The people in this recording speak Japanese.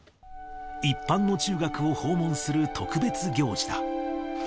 一般の中学を訪問する特別行事だ。